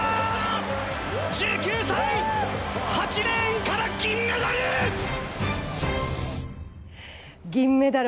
１９歳、８レーンから銀メダル！